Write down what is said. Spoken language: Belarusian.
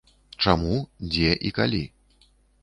Чаму, дзе і калі?